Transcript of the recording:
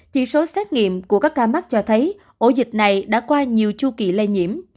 chỉ số xét nghiệm của các ca mắc cho thấy ổ dịch này đã qua nhiều chu kỳ lây nhiễm